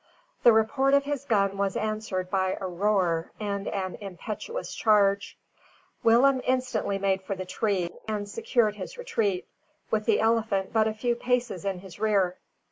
The report of his gun was answered by a roar and an impetuous charge. Willem instantly made for the tree, and secured his retreat, with the elephant but a few paces in his rear.